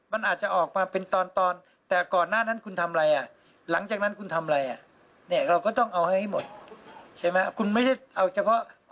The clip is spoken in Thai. บอกอยู่แล้วว่าคลิปมันตัดต่อหรือเปล่า